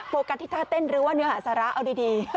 กัสที่ท่าเต้นหรือว่าเนื้อหาสาระเอาดี